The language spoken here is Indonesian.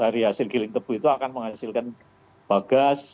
dan dari hasil giling tebu itu akan menghasilkan bagas